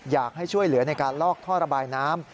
อยากให้ช่วยเหลือในการลอกท่อระบายน้ำ